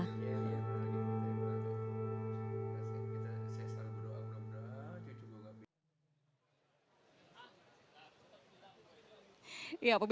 terima kasih kita selalu berdoa